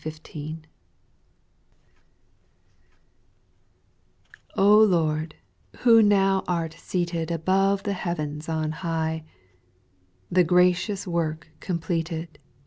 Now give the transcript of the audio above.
f\ LORD, who now art seated \J Above the heavens on high, The gracious work completed.